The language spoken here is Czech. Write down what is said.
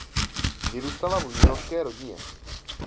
Vyrůstala v umělecké rodině.